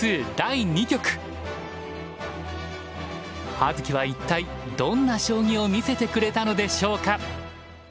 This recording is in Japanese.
葉月は一体どんな将棋を見せてくれたのでしょうか？